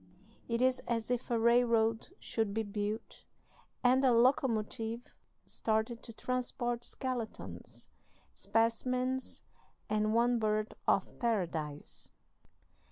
It is as if a railroad should be built and a locomotive started to transport skeletons, specimens, and one bird of Paradise."